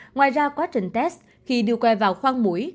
ngoài ra quá trình test khi đưa quay vào khoang mũi